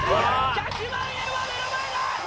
１００万円は目の前だ！